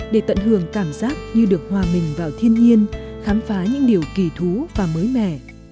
để tận hưởng cảm giác như được hòa mình vào thiên nhiên khám phá những điều kỳ thú và mới mẻ